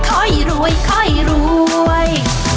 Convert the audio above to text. ข้อยรวยข้อยรวย